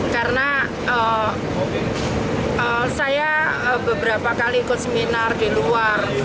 karena saya beberapa kali ikut seminar di luar